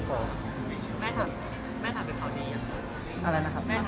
แม่ถามว่าเขาดียังไง